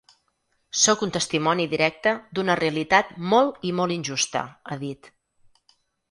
Sóc un testimoni directe d’una realitat molt i molt injusta, ha dit.